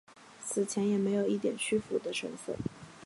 死前也没有一点屈服的神色。